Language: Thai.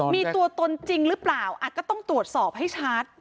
มีตัวตนจริงหรือเปล่าก็ต้องตรวจสอบให้ชัด